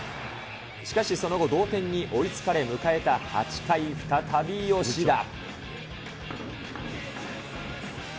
しかし、その後、同点に追いつかれ迎えた８回、再び吉田。